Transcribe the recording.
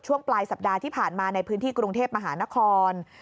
ช่วงปลายสัปดาห์ที่ผ่านมาในพื้นที่กรุงเทพมหานคร